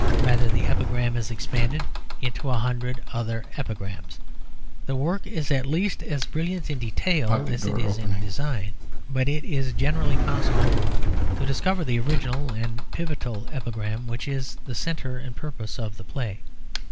Rather the epigram is expanded into a hundred other epigrams; the work is at least as brilliant in detail as it is in design. But it is generally possible to discover the original and pivotal epigram which is the centre and purpose of the play.